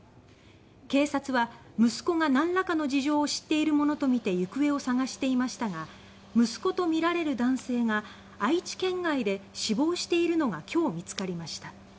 警察は、息子が何らかの事情を知っているものとみて行方を捜していましたが息子とみられる男性が愛知県外で死亡しているのが今日、見つかりました。